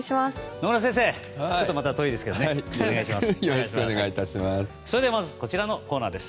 野村先生、ちょっとまた遠いですけどよろしくお願いします。